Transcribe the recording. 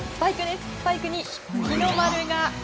スパイクに日の丸が。